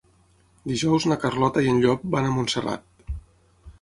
Dijous na Carlota i en Llop van a Montserrat.